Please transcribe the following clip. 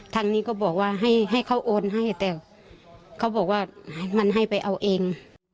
ทางนี้ก็บอกว่าให้เขาโอนให้แต่เขาบอกว่ามันให้ไปเอาเอง